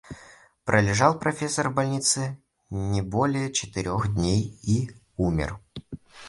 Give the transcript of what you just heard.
Пролежал профессор в больнице не более четырех дней и умер.